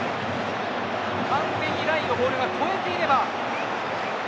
完全にラインをボールが越えていれば。